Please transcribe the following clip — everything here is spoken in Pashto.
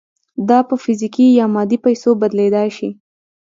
دا په فزیکي یا مادي پیسو بدلېدای شي